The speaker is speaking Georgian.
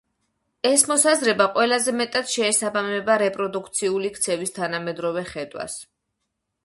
ეს მოსაზრება ყველაზე მეტად შეესაბამება რეპროდუქციული ქცევის თანამედროვე ხედვას.